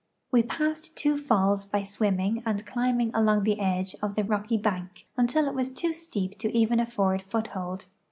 We passed two falls by swimming and climbing along the edge of the rocky bank until it was too steep to even afford foothold.